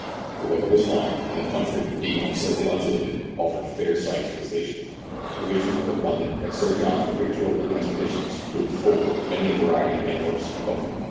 The weather was fine, and the country, being only slightly undulated, offered fair sites for the stations. Provisions were abundant, and Sir John's revictualling expeditions provided full many a va riety of antelopes and buffaloes.